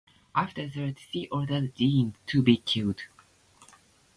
After that, she ordered Gennes to be killed.